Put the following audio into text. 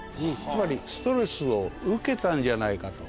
つまりストレスを受けたんじゃないかと。